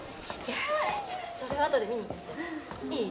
・ちょっとそれはあとで見に行かせていい？